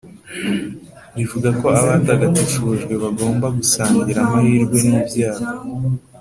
rivuga ko abatagatifujwe bagomba gusangira amahirwe n’ibyago,